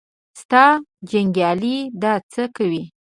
ستا جنګیالي دا څه کوي.